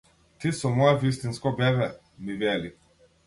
Ти со мое вистинско бебе, ми вели.